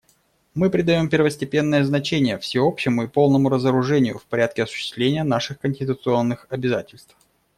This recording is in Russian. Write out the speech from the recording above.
Мы придаем первостепенное значение всеобщему и полному разоружению в порядке осуществления наших конституционных обязательств.